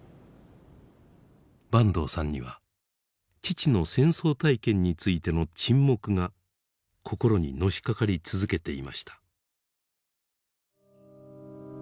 坂東さんには父の戦争体験についての沈黙が心にのしかかり続けていました。